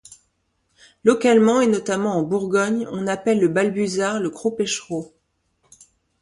Localement et notamment en Bourgogne, on appelle le balbuzard le craupêcherot.